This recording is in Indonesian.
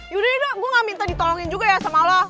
yaudah deh gue gak minta ditolongin juga ya sama allah